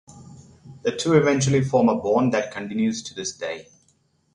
The two eventually form a bond that continues to this day.